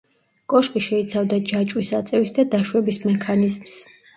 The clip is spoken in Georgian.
კოშკი შეიცავდა ჯაჭვის აწევის და დაშვების მექანიზმს.